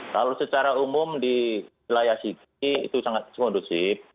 kalau secara umum di wilayah sigi itu sangat semudus